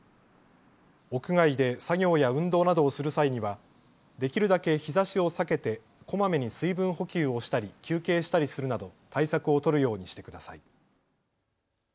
屋外で作業や運動などをする際にはできるだけ日ざしを避けてこまめに水分補給をしたり休憩したりするなど対策を取るようにしてください。